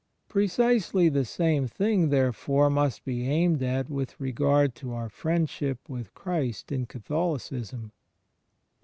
* Precisely the same thing, therefore, must be aimed at with regard to our friendship with Christ in Catholicism.